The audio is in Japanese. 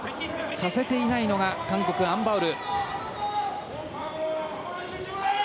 させていないのが韓国のアン・バウル。